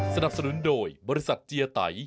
สนับสนุนโดยบริษัทเจียไต